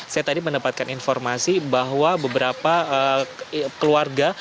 saya tadi mendapatkan informasi bahwa beberapa keluarga